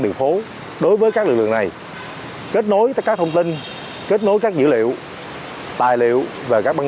đường phố đối với các lực lượng này kết nối tới các thông tin kết nối các dữ liệu tài liệu và các băng